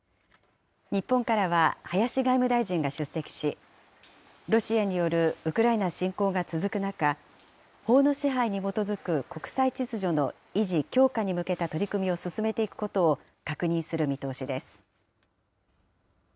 日本からは林外務大臣が出席し、ロシアによるウクライナ侵攻が続く中、法の支配に基づく国際秩序の維持・強化に向けた取り組みを進めていくことを確認する見通しです。